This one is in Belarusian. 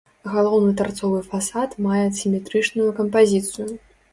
Галоўны тарцовы фасад мае сіметрычную кампазіцыю.